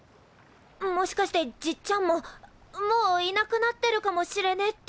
もしかしてじっちゃんももういなくなってるかもしれねえってことじゃねっか！